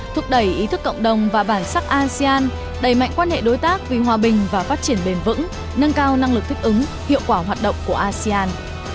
thúc đẩy ý thức cộng đồng và bản sắc asean đẩy mạnh quan hệ đối tác vì hòa bình và phát triển bền vững nâng cao năng lực thích ứng hiệu quả hoạt động của asean